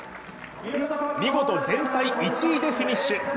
見事、全体１位でフィニッシュ。